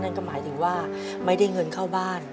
นั่นก็หมายถึงว่าไม่ได้เงินเข้าบ้าน